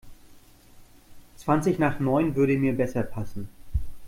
Zwanzig nach neun würde mir besser passen.